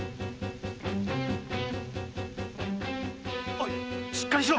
おいしっかりしろ！